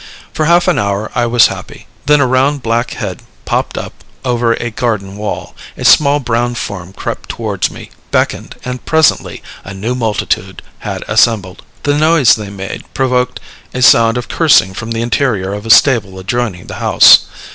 For half an hour I was happy; then around black head popped up over a garden wall, a small brown form crept towards me, beckoned, and presently a new multitude had assembled. The noise they made provoked a sound of cursing from the interior of a stable adjoining the house.